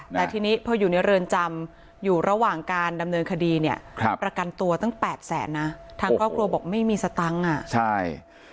แต่ทีนี้พออยู่ในเรือนจำอยู่ระหว่างการดำเนินคดีเนี่ยประกันตัวตั้ง๘แสนนะทางครอบครัวบอกไม่มีสตังค์อ่ะใช่